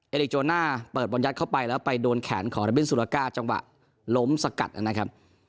เด็กโจน่าเปิดบรรยัดเข้าไปแล้วไปโดนแขนของระบินสุราก้าจังหวะล้มสกัดนะครับ